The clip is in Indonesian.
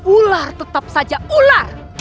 ular tetap saja ular